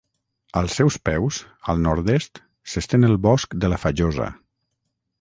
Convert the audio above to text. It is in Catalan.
Als seus peus, al nord-est, s'estén el Bosc de la Fajosa.